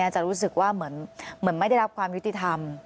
จะรู้สึกว่าเหมือนไม่ได้รับความยุติธรรม